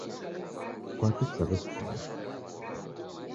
Kwaki kusawesikira